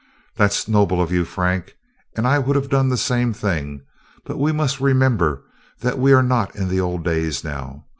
"That 's noble of you, Frank, and I would have done the same, but we must remember that we are not in the old days now.